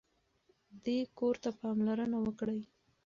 دې کور ته پاملرنه وکړئ.